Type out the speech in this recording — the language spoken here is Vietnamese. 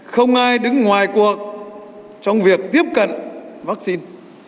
không ai đứng ngoài cuộc trong việc tiếp cận vắc xin